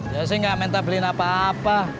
dia sih gak minta beliin apa apa